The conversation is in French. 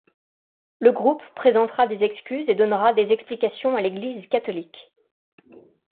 Le groupe présentera des excuses et donnera des explications à l'Église catholique.